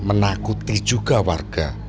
menakuti juga warga